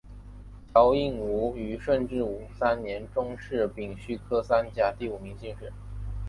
乔映伍于顺治三年中式丙戌科三甲第五名进士。